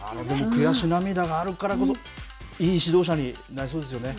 悔し涙があるからこそ、いい指導者になりそうですよね。